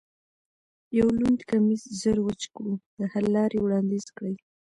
یو لوند کمیس زر وچ کړو، د حل لارې وړاندیز کړئ.